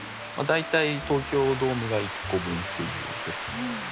大体東京ドームが１個分っていうぐらい。